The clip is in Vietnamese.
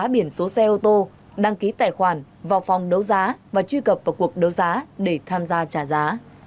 biển số xe ô tô đăng ký tài khoản vào phòng đấu giá và truy cập vào cuộc đấu giá để tham gia trả giá